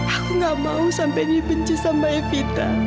aku gak mau sampai dibenci sama evita